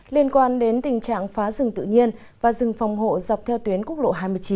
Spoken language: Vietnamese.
liên quan đến tình trạng phá rừng tự nhiên và rừng phòng hộ dọc theo tuyến quốc lộ hai mươi chín